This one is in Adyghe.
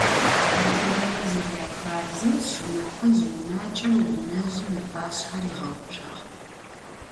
Adıgeme zeryaxabzeu, sşşınahızj vunaç'er vunezjım ıpaşshe riğeutsuağ.